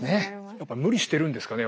やっぱり無理してるんですかね？